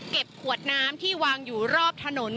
ขวดน้ำที่วางอยู่รอบถนน